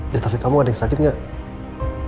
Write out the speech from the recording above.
ya tapi kamu ada yang sakit nggak